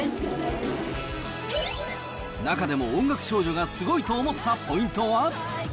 中でも音楽少女がすごいと思ったポイントは？